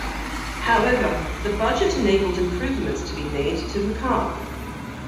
However, the budget enabled improvements to be made to the car.